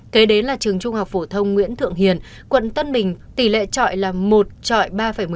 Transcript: kế đến là trường trung học phổ thông nguyễn thượng hiền quận tân bình tỷ lệ trọi là một trọi ba một